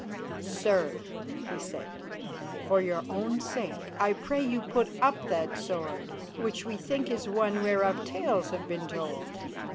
"Sir," he said, "for your own sake I pray you put up that sword, which we think is one whereof tales have been told.